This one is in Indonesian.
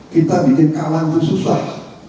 kita bikin kawan itu susah